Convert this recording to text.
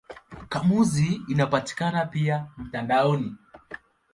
Kamusi inapatikana pia mtandaoni.